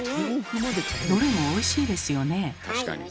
どれもおいしいですよね。